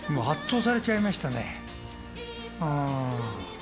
圧倒されちゃいました。